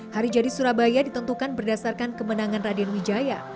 hari jadi surabaya ditentukan berdasarkan kemenangan raden wijaya